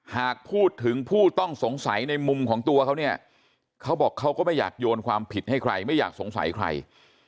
หากพูดถึงผู้ต้องสงสัยในมุมของตัวเขาเนี่ยเขาบอกเขาก็ไม่อยากโยนความผิดให้ใครไม่อยากสงสัยใคร